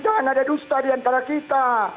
jangan ada dusta diantara kita